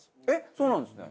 そうなんですね。